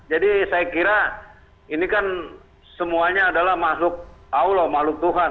jadi saya kira ini kan semuanya adalah makhluk allah makhluk tuhan